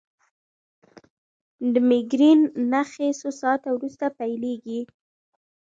د مېګرین نښې څو ساعته وروسته پیلېږي.